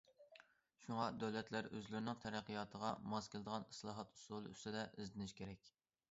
شۇڭا، دۆلەتلەر ئۆزلىرىنىڭ تەرەققىياتىغا ماس كېلىدىغان ئىسلاھات ئۇسۇلى ئۈستىدە ئىزدىنىشى كېرەك.